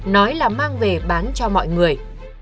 nói là mang về bán cho mọi người